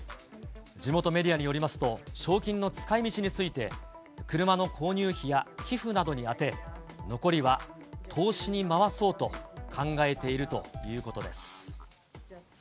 地元メディアによりますと、賞金の使いみちについて、車の購入費や寄付などに充て、残りは投資に回そうと考えているということです。